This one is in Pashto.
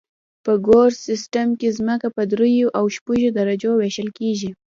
په ګوس سیستم کې ځمکه په دریو او شپږو درجو ویشل کیږي